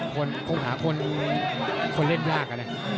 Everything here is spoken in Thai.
คงหาคนเล่นยาก